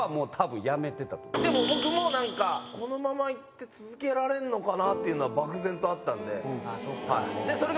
僕も何かこのまま行って続けられんのかなっていうのは漠然とあったんで。